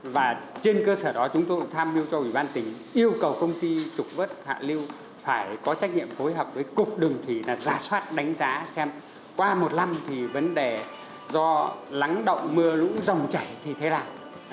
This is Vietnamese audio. và trên cơ sở đó chúng tôi cũng tham mưu cho ủy ban tỉnh yêu cầu công ty trục vất hạ lưu phải có trách nhiệm phối hợp với cục đường thủy là giả soát đánh giá xem qua một năm thì vấn đề do lắng động mưa lũ dòng chảy thì thế nào